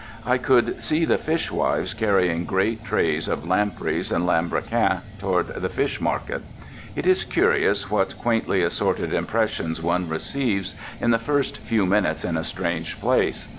I could see the fishwives carrying great trays of lampreys and lambrequins toward the fish market. It is curious what quaintly assorted impressions one receives in the first few minutes in a strange place.